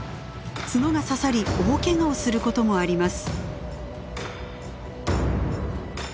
角が刺さり大けがをすることもあります。